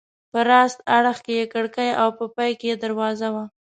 په راسته اړخ کې یې کړکۍ او په پای کې یې دروازه وه.